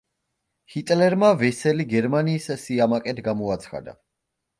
ჰიტლერმა ვესელი გერმანიის სიამაყედ გამოაცხადა.